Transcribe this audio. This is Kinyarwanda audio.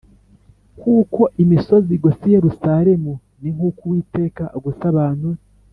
Kuko imisozi igose iyerusalemu ninkuko uwiteka agose abantu be